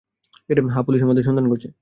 হ্যাঁ, পুলিশ আমার সন্ধান করছে।